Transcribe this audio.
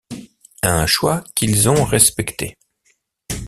Un choix qu’ils ont respecté.